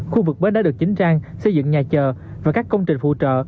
khu vực bến đã được chính trang xây dựng nhà chờ và các công trình phụ trợ